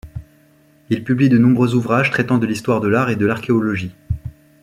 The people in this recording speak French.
Il publie de nombreux ouvrages traitant de l'histoire de l'art et de l'archéologie.